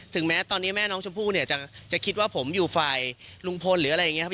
แม้ตอนนี้แม่น้องชมพู่เนี่ยจะคิดว่าผมอยู่ฝ่ายลุงพลหรืออะไรอย่างนี้ครับพี่